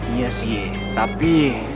iya sih tapi